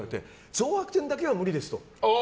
憎珀天だけは無理ですと。